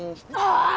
ああ！？